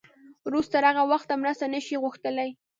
روس تر هغه وخته مرسته نه شي غوښتلی.